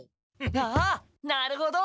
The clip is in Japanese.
ああなるほど。